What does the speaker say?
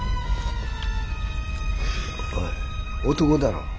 おい男だろ？